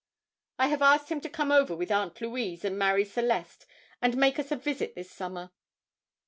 "I have asked him to come over with Aunt Louise and Marie Celeste and make us a visit this summer."